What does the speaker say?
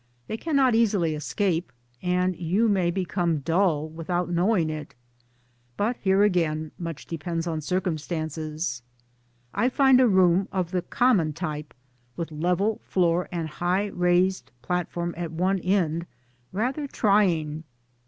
They cannot easily escape, and you may become dull without knowing it 1 But here again much depends on circumstances. I find a room (of the common type) with level floor and high raised platform at one end rather trying.